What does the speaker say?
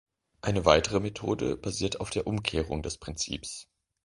Eine weitere Methode basiert auf der Umkehrung des Prinzips.